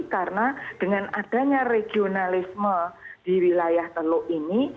karena dengan adanya regionalisme di wilayah teluk ini